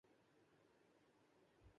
تھا کہ ہندوستان ان واقعات کے بعد سبکی اٹھاتا۔